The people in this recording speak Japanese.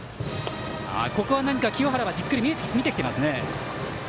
ここは清原はじっくり見てきてますね。